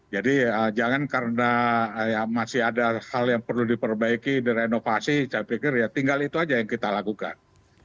jadi jangan karena masih ada hal yang perlu diperbaiki di renovasi saya pikir ya tinggal itu aja yang kita lakukan